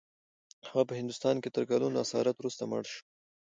هغه په هندوستان کې تر کلونو اسارت وروسته مړ شو.